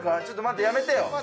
ちょっと待ってやめてよ